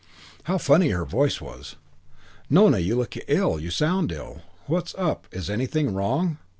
How funny her voice was. "Nona, you look ill. You sound ill. What's up? Is anything wrong?"